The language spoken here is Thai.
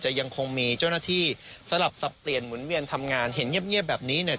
ยังคงมีเจ้าหน้าที่สลับสับเปลี่ยนหมุนเวียนทำงานเห็นเงียบแบบนี้เนี่ย